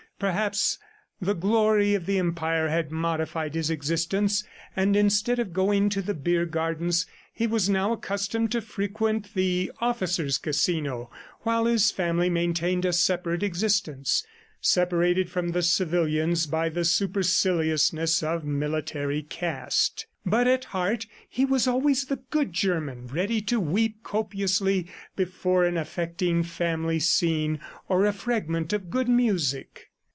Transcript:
Perhaps the glory of the Empire had modified his existence, and instead of going to the beer gardens, he was now accustomed to frequent the officers' casino, while his family maintained a separate existence separated from the civilians by the superciliousness of military caste; but at heart, he was always the good German, ready to weep copiously before an affecting family scene or a fragment of good music.